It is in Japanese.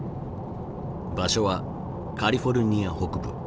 場所はカリフォルニア北部。